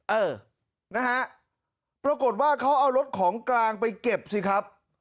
เออนะฮะปรากฏว่าเขาเอารถของกลางไปเก็บสิครับ